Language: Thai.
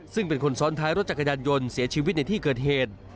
ซึ่งเป็นคนซ้อนท้ายรถจักรยานยนต์เสียชีวิตในที่เกิดเหตุ